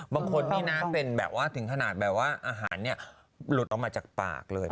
บางคนนี่นะถึงขนาดแบบว่าอาหารลุดออกมาจากปากเลย